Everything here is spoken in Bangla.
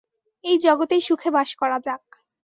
এই জগতেই সুখে বাস করা যাক।